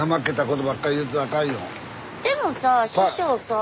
でもさ師匠さ。